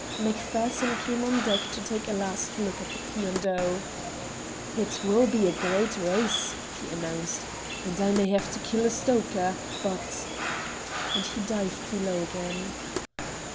Macpherson came on deck to take a last look at the P. and O. "It will be a gr reat race," he announced, "and I may have to kill a stoker. But " Then he dived below again.